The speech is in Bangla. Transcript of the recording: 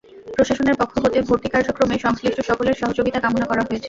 প্রশাসনের পক্ষ হতে ভর্তি কার্যক্রমে সংশ্লিষ্ট সকলের সহযোগিতা কামনা করা হয়েছে।